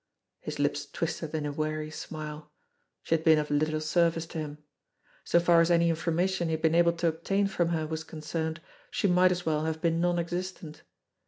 His lips twisted in a weary smile. She had been of little service to him ! So far as any information he had been able to obtain from her was concerned, she might as well have been non existent.